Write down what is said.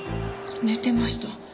寝てました。